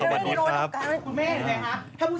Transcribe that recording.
จากกระแสของละครกรุเปสันนิวาสนะฮะ